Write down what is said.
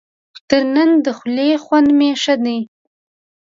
تر ننه د خولې خوند مې ښه دی.